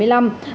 được xếp thứ hai